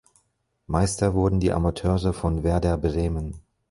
Meister wurden die Amateure von Werder Bremen.